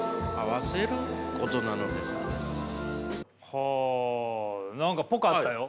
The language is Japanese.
はあ何かぽかったよ。